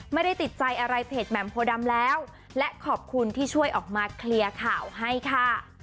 ไม่ได้ติดใจอะไรเพจแหม่มโพดำแล้วและขอบคุณที่ช่วยออกมาเคลียร์ข่าวให้ค่ะ